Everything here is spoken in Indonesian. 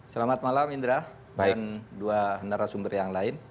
selamat malam indra dan dua narasumber yang lain